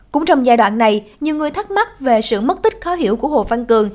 cũng trong giai đoạn này nhiều người thắc mắc về sự mất tích khó hiểu của hồ văn cường